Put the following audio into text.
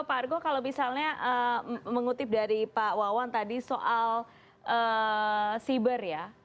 pak argo kalau misalnya mengutip dari pak wawan tadi soal siber ya